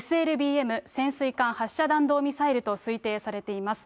ＳＬＢＭ・潜水艦発射弾道ミサイルと推定されています。